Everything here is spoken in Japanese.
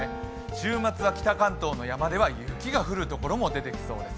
週末は北関東の山では雪が降るところもあります。